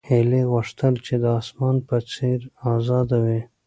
هیلې غوښتل چې د اسمان په څېر ازاده وي.